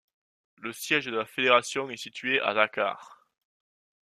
Le siège de la fédération est situé à Dakar.